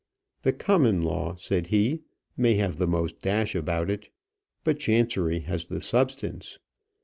"The Common Law," said he, "may have the most dash about it; but Chancery has the substance."